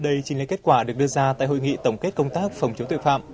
đây chính là kết quả được đưa ra tại hội nghị tổng kết công tác phòng chống tội phạm